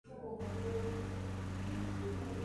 Fue el cuarto y último emperador de la dinastía salia.